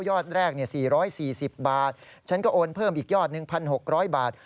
อดแรก๔๔๐บาทฉันก็โอนเพิ่มอีกยอด๑๖๐๐บาท